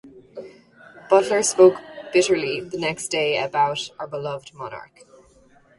Butler spoke bitterly the next day about "our beloved Monarch".